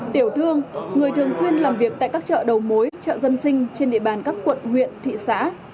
tiểu thương người thường xuyên làm việc tại các chợ đầu mối chợ dân sinh trên địa bàn các quận huyện thị xã